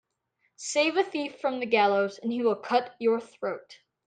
Save a thief from the gallows and he will cut your throat.